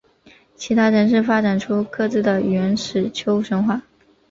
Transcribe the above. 其他城市发展出各自的原始丘神话。